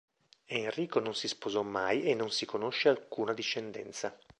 Enrico non si sposò mai e non si conosce alcuna discendenza.